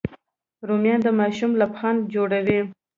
رومیان د ماشوم لبخند جوړوي